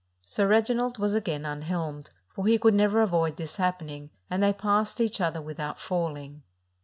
Sir Reginald was again unhelmed, for he could never avoid this happening, and they passed each other without falling.